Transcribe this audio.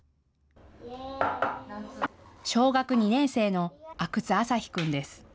小学２年生の阿久津旭君です。